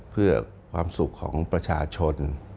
เพื่อความสุขของประชาชน